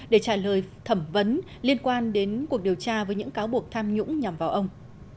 để trả lời thẩm vấn liên quan đến cuộc điều tra với những cáo buộc tham nhũng nhằm vào ông